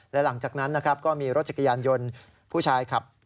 และหลังจากนั้นนะครับก็มีรถจักรยานยนต์ผู้ชายขับ